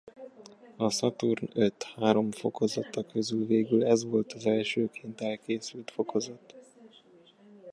A Saturn V három fokozata közül végül ez volt az elsőként elkészült fokozat.